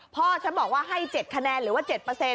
พ่อฉันบอกว่าให้๗คะแนนหรือว่า๗